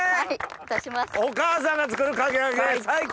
お母さんが作るかき揚げ最高！